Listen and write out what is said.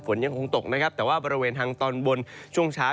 ฝนยังคงตกนะครับแต่ว่าบริเวณทางตอนบนช่วงเช้า